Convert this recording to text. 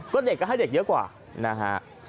ก็เด็กก็ให้เด็กเยอะกว่านะฮะ